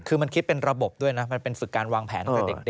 คือมันคิดเป็นระบบด้วยนะมันเป็นฝึกการวางแผนตั้งแต่เด็ก